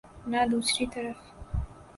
نہ دوسری طرف۔